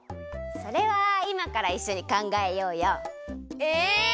それはいまからいっしょにかんがえようよ。え！？